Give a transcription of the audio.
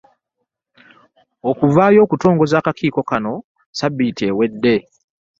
Okuvaayo okutongoza akakiiko kano Ssabbiiti ewedde